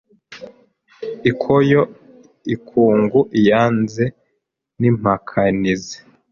ikoyo ikungu iyanzu n’impakanizi